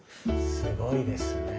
すごいですね。